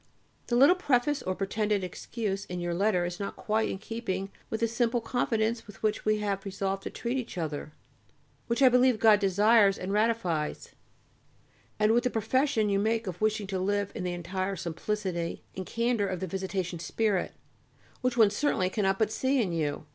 The little preface or pretended excuse in your letter is not quite in keeping with the simple confidence with which we have resolved to treat each other, which I believe God desires and ratifies, and with the profession you make of wishing to live in the entire simplicity and candour of the Visitation spirit, which one certainly cannot but see in you.